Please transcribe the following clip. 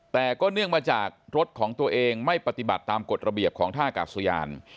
แต่ก็เนื่องมาจากรถของตัวเองไม่ปฏิบัติตามกฎระเบียบของท่ากาศยาน